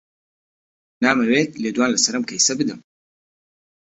نامەوێت لێدوان لەسەر ئەم کەیسە بدەم.